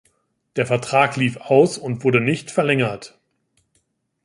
Der Vertrag lief aus und wurde nicht verlängert.